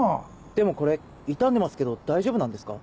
でもこれ傷んでますけど大丈夫なんですか？